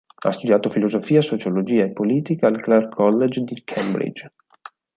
Ha studiato filosofia, sociologia e politica al Clare College di Cambridge.